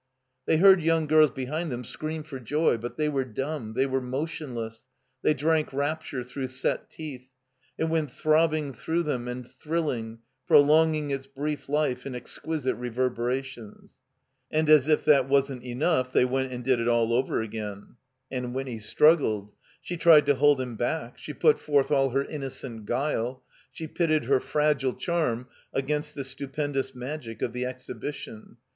They heard yoimg girls behind them scream for joy; but they were dumb, they were motionless; they drank rapture through set teeth; it went throb bing through them and thrilling, prolonging its brief life in exquisite reverberations. And as if that wasn't enough, they went and did it all over again. And Winny struggled; she tried to hold him back; she put forth all her innocent guile; she pitted her fragile charm against the stupendous magic of the Exhibition.